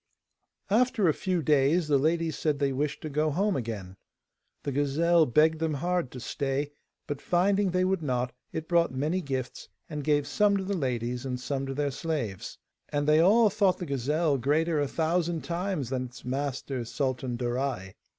After a few days, the ladies said they wished to go home again. The gazelle begged them hard to stay, but finding they would not, it brought many gifts, and gave some to the ladies and some to their slaves. And they all thought the gazelle greater a thousand times than its master, Sultan Darai.